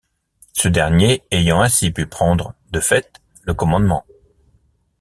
Ce dernier ayant ainsi pu prendre, de fait, le commandement.